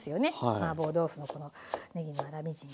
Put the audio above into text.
マーボー豆腐のこのねぎの粗みじんは。